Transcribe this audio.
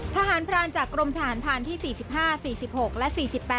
ทหารพรานจากกรมฐานภารณ์ที่๔๕๔๖และ๔๘